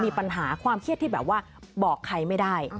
ปัญหาความเครียดที่แบบว่าบอกใครไม่ได้